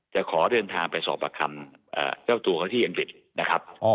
จะขอเดินทางไปสอบประคำเจ้าตัวเขาที่อังกฤษนะครับ